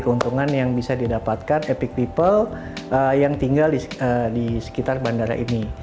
keuntungan yang bisa didapatkan epic people yang tinggal di sekitar bandara ini